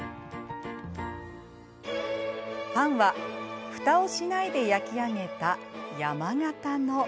パンはふたをしないで焼き上げた山型の。